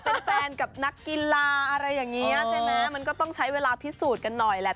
เป็นแฟนกับนักกีฬาอะไรอย่างนี้ใช่ไหมมันก็ต้องใช้เวลาพิสูจน์กันหน่อยแหละ